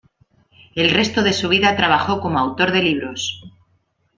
El resto de su vida trabajó como autor de libros.